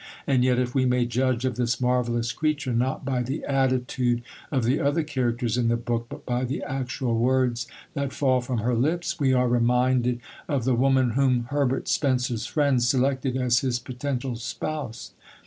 And yet, if we may judge of this marvellous creature not by the attitude of the other characters in the book, but by the actual words that fall from her lips, we are reminded of the woman whom Herbert Spencer's friends selected as his potential spouse.